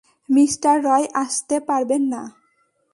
Mister Roy আসতে পারবেন না।